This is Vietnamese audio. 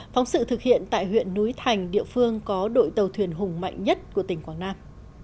phóng sự thực hiện tại huyện núi thành địa phương có đội tàu thuyền hùng mạnh nhất của tỉnh quảng nam